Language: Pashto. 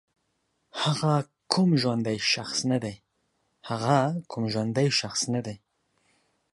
هغه کوم ژوندی شخص نه دی